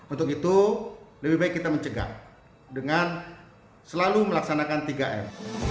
untuk itu lebih baik kita mencegah dengan selalu melaksanakan tiga m